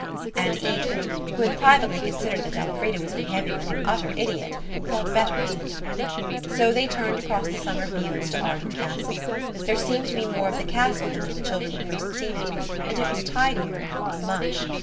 And Edred, who had privately considered that Elfrida was behaving like an utter idiot, thought better of it. So they turned across the summer fields to Arden Castle. There seemed to be more of the castle than when the children had first seen it, and it was tidier, much.